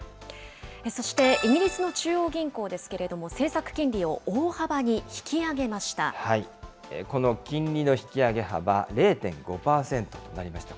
そして、イギリスの中央銀行ですけれども、政策金利を大幅にこの金利の引き上げ幅０．５％となりました。